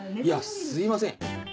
いやすみません。